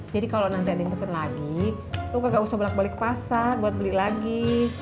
jadi kalau nanti ada yang pesen lagi lo kagak usah balik balik pasar buat beli lagi